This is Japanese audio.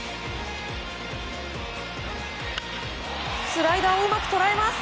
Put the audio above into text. スライダーをうまく捉えます。